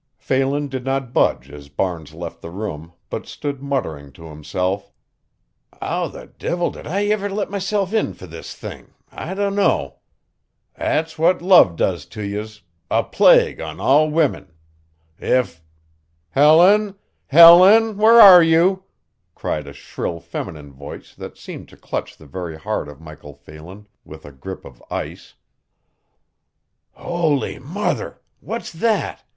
Phelan did not budge as Barnes left the room, but stood muttering to himself: "How the divvil did I iver let mesilf in fer this thing I dunno! That's what love does to yez a plague on all women! If" "Helen, Helen, where are you?" cried a shrill feminine voice that seemed to clutch the very heart of Michael Phelan with a grip of ice. "Howly murther! What's that?"